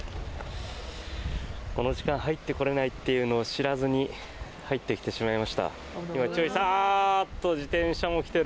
この時間、入ってこれないというのを知らずに入ってきてしまいました。